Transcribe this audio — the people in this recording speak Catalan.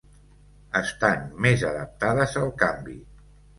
Estan més adaptades al canvi.